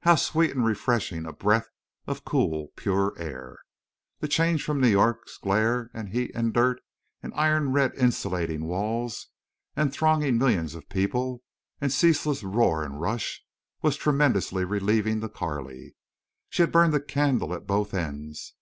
How sweet and refreshing a breath of cool pure air! The change from New York's glare and heat and dirt, and iron red insulating walls, and thronging millions of people, and ceaseless roar and rush, was tremendously relieving to Carley. She had burned the candle at both ends.